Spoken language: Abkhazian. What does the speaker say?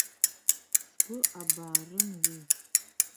Сгәы абаарын уи.